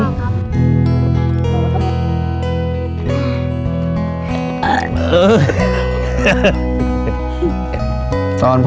หนูชอบมากเลย